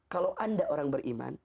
kalau anda orang beriman